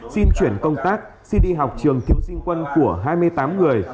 xin chuyển công tác xin đi học trường thiếu sinh quân của hai mươi tám người